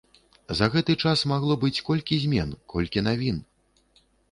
За гэты час магло быць колькі змен, колькі навін.